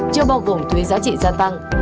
chưa bao gồm thuê giá trị gia tăng